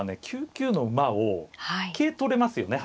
９九の馬を桂取れますよね